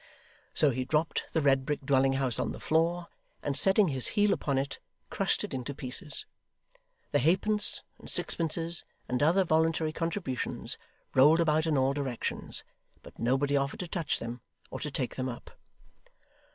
So he dropped the red brick dwelling house on the floor, and setting his heel upon it, crushed it into pieces. The halfpence, and sixpences, and other voluntary contributions, rolled about in all directions, but nobody offered to touch them, or to take them up.